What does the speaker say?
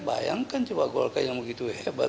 bayangkan coba golkar yang begitu hebat